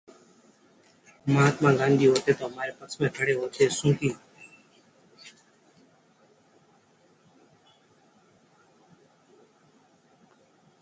महात्मा गांधी होते तो हमारे पक्ष में खड़े होतेः सू की